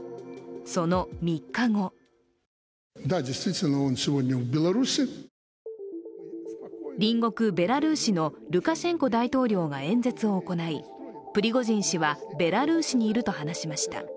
その３日後隣国ベラルーシのルカシェンコ大統領が演説を行い、プリゴジン氏はベラルーシにいると話しました。